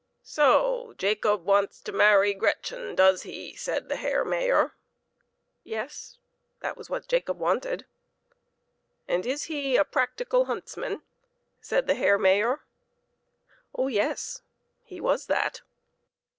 " So Jacob wants to marry Gretchen, does he ?" said the Herr Mayor. Yes ; that was what Jacob wanted. " And is he a practical huntsman ?" said the Herr Mayor. Oh yes, he was that.